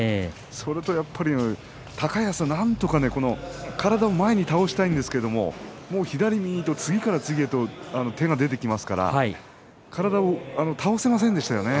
それとやっぱり高安は体を前に倒したいんですけれども左右へと次々と手が出てきますから体を倒せませんでしたね。